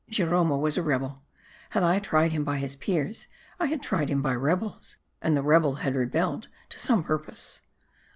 Jiromo was a rebel. Had I tried him by his peers, I had tried him by rebels ; and the rebel had rebelled to some purpose.